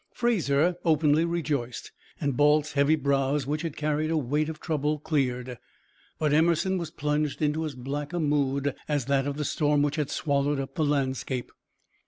Fraser openly rejoiced, and Balt's heavy brows, which had carried a weight of trouble, cleared; but Emerson was plunged into as black a mood as that of the storm which had swallowed up the landscape.